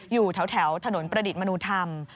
อยู่แถวถนนประดิษฐ์มนุธรรม